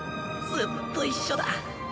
ずっと一緒だ。